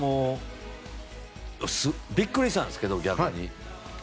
ビックリしたんですけど逆に。